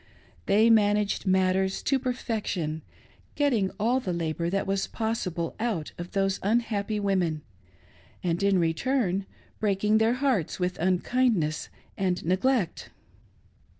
They man aged matters to perfection ; getting all the labor that was pos sible out of those unhappy women, and in return breaking their hearts With unkindness and neglect.